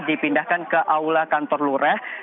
dipindahkan ke aula kantor lurah